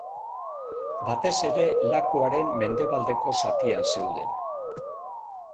Batez ere lakuaren mendebaldeko zatian zeuden.